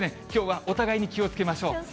きょうはお互いに気をつけましょう。